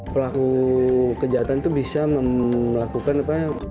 pelaku kejahatan itu bisa melakukan apa ya